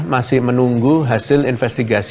masih menunggu hasil investigasi